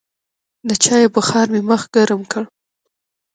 د چايو بخار مې مخ ګرم کړ.